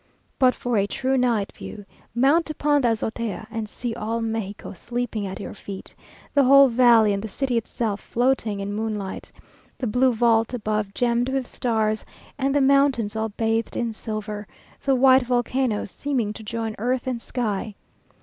But for a true night view, mount upon the Azotea, and see all Mexico sleeping at your feet; the whole valley and the city itself floating in moonlight; the blue vault above gemmed with stars, and the mountains all bathed in silver, the white volcanoes seeming to join earth and sky.